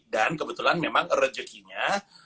dan kebetulan memang rezekinya